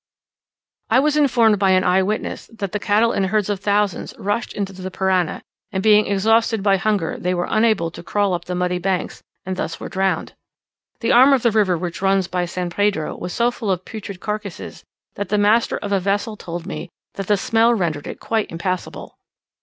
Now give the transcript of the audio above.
I was informed by an eye witness that the cattle in herds of thousands rushed into the Parana, and being exhausted by hunger they were unable to crawl up the muddy banks, and thus were drowned. The arm of the river which runs by San Pedro was so full of putrid carcasses, that the master of a vessel told me that the smell rendered it quite impassable.